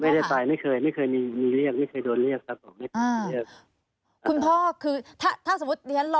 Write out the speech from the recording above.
ไม่ได้ไปไม่เคยไม่เคยมีเรียกไม่เคยโดนเรียกครับ